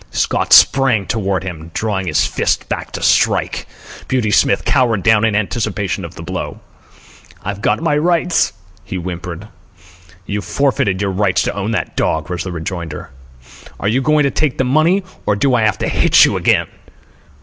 Scott sprang toward him, drawing his fist back to strike. Beauty Smith cowered down in anticipation of the blow. "I've got my rights," he whimpered. "You've forfeited your rights to own that dog," was the rejoinder. "Are you going to take the money? or do I have to hit you again?"